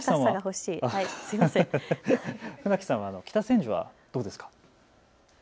船木さんは北千住はどうですか。